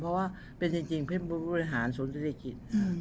เพราะว่าเป็นจริงเป็นผู้บริหารศูนย์เศรษฐกิจ